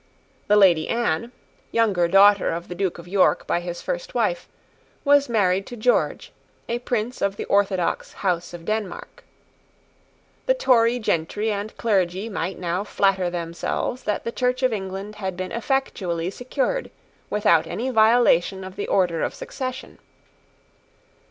The Lady Anne, younger daughter of the Duke of York by his first wife, was married to George, a prince of the orthodox House of Denmark. The Tory gentry and clergy might now flatter themselves that the Church of England had been effectually secured without any violation of the order of succession.